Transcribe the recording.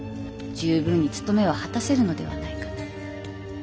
十分につとめを果たせるのではないかと。